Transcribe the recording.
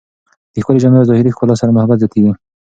د ښکلې جامې او ظاهري ښکلا سره محبت زیاتېږي.